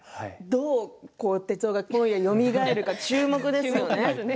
どう徹生がよみがえるか注目ですよね。